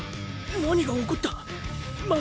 何が起こったァ